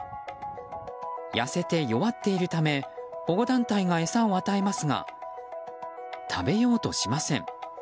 痩せて弱っているため保護団体が餌を与えますが食べようとしません。